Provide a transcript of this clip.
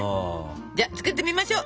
じゃあ作ってみましょう。